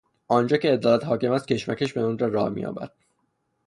آنجا که عدالت حاکم است کشمکش به ندرت راه می یابد.